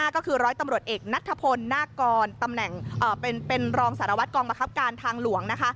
๕ก็คือร้อยตำรวจเอกนัทพลหน้ากรเป็นรองสารวัตรกองมะครับการทางหลวง